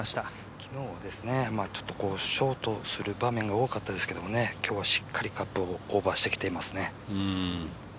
昨日はちょっとショートする場面が多かったですけれども、今日はしっかりカップをオーバーしてきていますね。